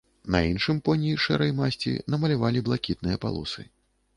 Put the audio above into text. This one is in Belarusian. На іншым поні шэрай масці намалявалі блакітныя палосы.